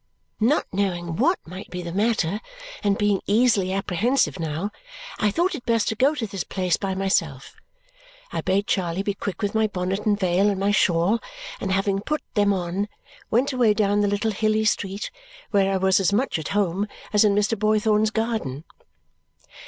Not knowing what might be the matter, and being easily apprehensive now, I thought it best to go to this place by myself. I bade Charley be quick with my bonnet and veil and my shawl, and having put them on, went away down the little hilly street, where I was as much at home as in Mr. Boythorn's garden.